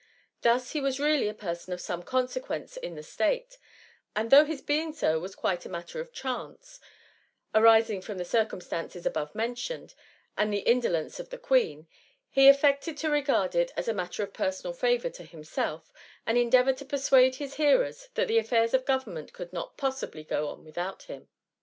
Thus he was really a person of some consequence in the state ', and though his being so was quite a matter of chance, arising from the circumstances above mentioned and the indolence of the Queen, he affected to regard it as a matter of personal favour to himself, and endeavoured to persuade his hearers that the affairs of government could not possibly go on without him.